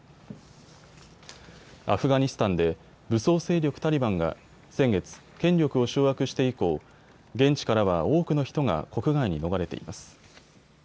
アフガニスタンで武装勢力タリバンが先月、権力を掌握して以降、現地からは多くの人が国外に逃れています。